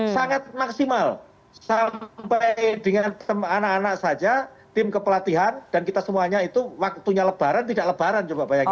sangat maksimal sampai dengan anak anak saja tim kepelatihan dan kita semuanya itu waktunya lebaran tidak lebaran coba bayangin